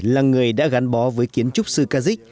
là người đã gắn bó với kiến trúc sư cazik